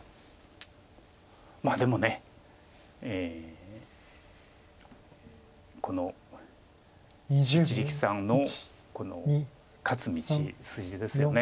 まあでもこの一力さんのこの勝つ道筋ですよね。